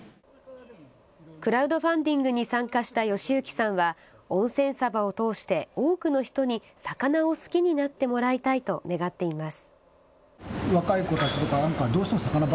クラウドファンディングに参加した昌行さんは温泉サバを通して多くの人に魚を好きになってもらいたいと願っています。